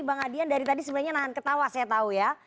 bang adian dari tadi sebenarnya nahan ketawa saya tahu ya